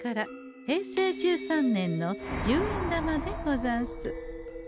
平成１３年の十円玉でござんす。